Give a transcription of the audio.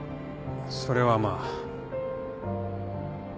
それはまあ。